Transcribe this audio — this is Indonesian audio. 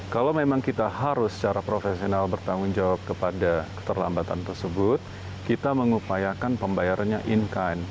kalau memang kita harus secara profesional bertanggung jawab kepada keterlambatan tersebut kita mengupayakan pembayarannya in kind